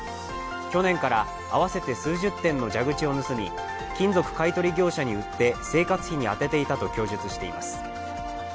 去年から合わせて数十点の蛇口を盗み金属買い取り業者に売って生活費に充てていたと供述しています。